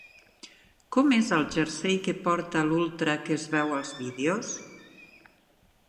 Com és el jersei que porta l'ultra que es veu als vídeos?